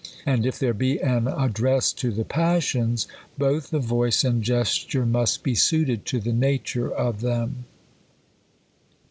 And if there be an address to the passions, both the voice and gesture must be suited to the nature of them.